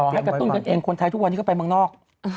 ให้กระตุ้นกันเองคนไทยทุกวันนี้ก็ไปเมืองนอก